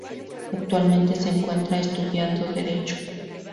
Actualmente se encuentra estudiando Derecho.